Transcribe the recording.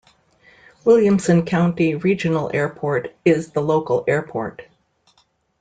Williamson County Regional Airport is the local airport.